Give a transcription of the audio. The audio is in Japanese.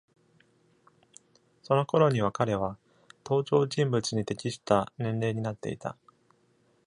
そのころには彼は、登場人物に適した年齢になっていた。